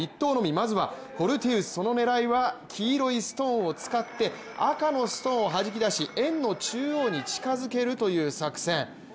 まずはフォルティウス、その狙いは黄色いストーンを使って赤のストーンをはじき出し、円の中央に近づけるという作戦。